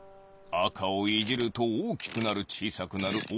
あかをいじるとおおきくなるちいさくなる。